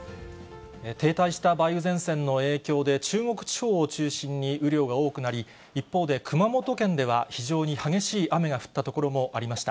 停滞した梅雨前線の影響で、中国地方を中心に雨量が多くなり、一方で熊本県では非常に激しい雨が降った所もありました。